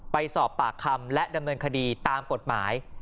ไปสอบปากคำและดำเนินคดีตามกฎหมาย